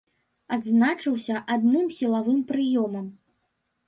Адзначыўся адным сілавым прыёмам.